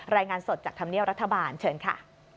รายงานสดจากธรรมเนียบรัฐบาลเชิญค่ะ